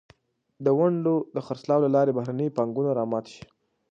د ونډو د خرڅلاو له لارې بهرنۍ پانګونه را مات شي.